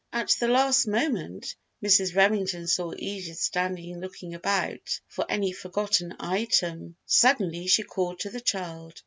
At the last moment Mrs. Remington saw Edith standing looking about for any forgotten item. Suddenly she called to the child.